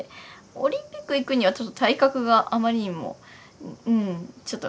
オリンピック行くにはちょっと体格があまりにもちょっときついかな。